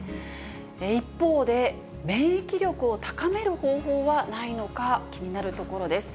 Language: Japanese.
一方で、免疫力を高める方法はないのか気になるところです。